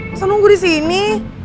masa nunggu di sini